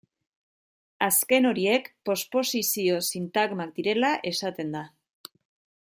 Azken horiek postposizio-sintagmak direla esaten da.